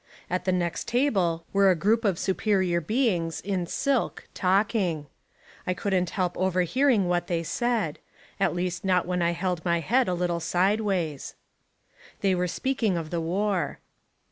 At the next table were a group of Superior Beings in silk, talking, I couldn't help overhearing what they said — at least not when I held my head a little side ways. They were speaking of the war.